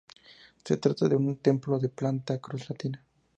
Se trata de un templo de planta de cruz latina.